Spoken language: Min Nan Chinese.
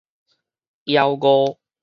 枵餓